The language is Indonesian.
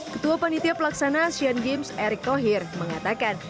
ketua panitia pelaksana asian games eric tohir mengatakan